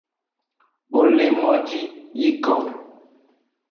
Wo le moji yiko.